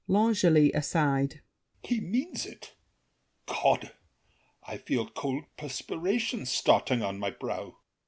L'ANGELY (aside). He means it! God! I feel cold perspiration Starting upon my brow.